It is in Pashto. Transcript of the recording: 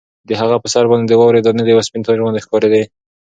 د هغه په سر باندې د واورې دانې د یوه سپین تاج غوندې ښکارېدې.